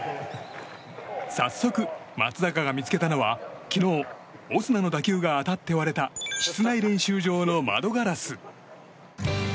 早速、松坂が見つけたのは昨日、オスナの投球が当たって割れた室内練習場の窓ガラス。